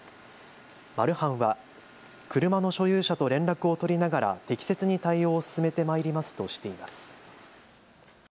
マルハンは車の所有者と連絡を取りながら適切に対応を進めてまいりますとしています。